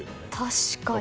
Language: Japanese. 確かに。